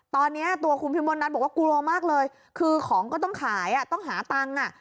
ตอนนี้ตัวคุณพิมลนัทบอกว่ากลัวมากเลยคือของก็ต้องขายอ่ะต้องหาตังค์อ่ะ